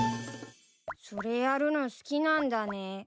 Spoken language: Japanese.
それやるの好きなんだね。